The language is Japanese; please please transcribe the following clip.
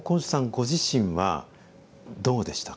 ご自身はどうでしたか？